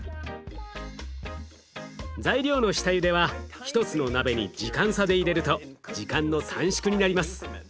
材料の下ゆでは１つの鍋に時間差で入れると時間の短縮になります。